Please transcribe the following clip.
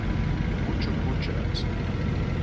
Puču pučēs.